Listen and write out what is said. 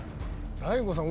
大悟さん